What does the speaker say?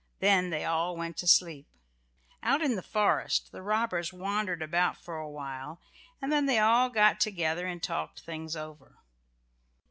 Then they all went to sleep. Out in the forest the robbers wandered about for awhile, and then they all got together and talked things over.